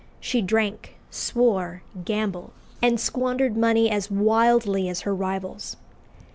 She drank, swore, gambled, and squandered money as wildly as her rivals.